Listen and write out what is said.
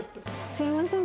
すみません